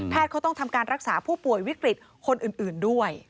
เขาต้องทำการรักษาผู้ป่วยวิกฤตคนอื่นด้วย